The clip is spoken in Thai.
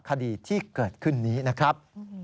คดีที่เกิดขึ้นนี้นะครับ